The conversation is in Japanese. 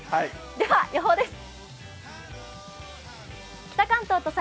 では予報です。